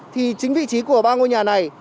thì chính vị trí của ba ngôi nhà này